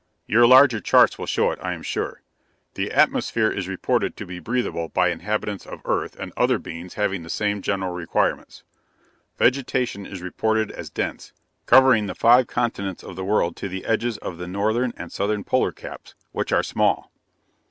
Your larger charts will show it, I am sure. The atmosphere is reported to be breatheable by inhabitants of Earth and other beings having the same general requirements. Vegetation is reported as dense, covering the five continents of the world to the edges of the northern and southern polar caps, which are small.